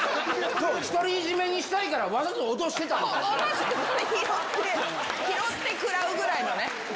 独り占めにしたいからわざと落として拾って食らうぐらいのね。